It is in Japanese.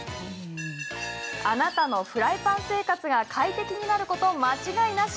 あなたのフライパン生活が快適になること間違いなし。